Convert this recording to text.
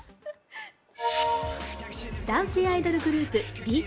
男性アイドルグループＢＴＳ。